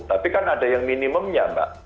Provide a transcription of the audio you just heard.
tapi kan ada yang minimumnya mbak